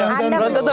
pak sertiti ya